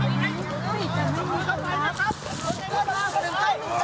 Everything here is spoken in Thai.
โอเดี๋ยวโอเดียว